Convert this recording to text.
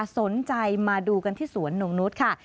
สนใจมาดูกันที่สวนหน่งนุษย์ค่ะ